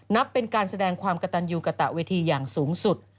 นับเป็นการแสดงความกระตันยูกระตะเวทีอย่างสูงสุด